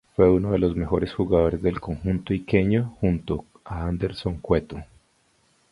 Fue uno de los mejores jugadores del conjunto iqueño junto a Anderson Cueto.